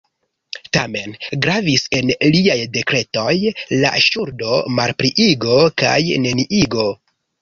Tamen, gravis en liaj dekretoj la ŝuldo-malpliigo kaj -neniigo.